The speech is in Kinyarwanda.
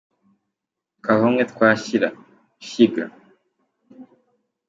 Twavamo umwe twashira:ishyiga.